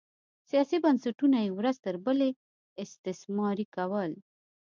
سیاسي بنسټونه یې ورځ تر بلې استثماري کول